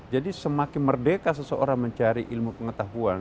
jadi semakin merdeka seseorang mencari ilmu pengetahuan